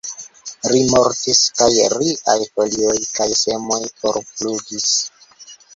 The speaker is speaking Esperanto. Ri mortis, kaj riaj folioj kaj semoj forflugis.